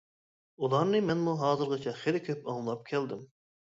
ئۇلارنى مەنمۇ ھازىرغىچە خېلى كۆپ ئاڭلاپ كەلدىم.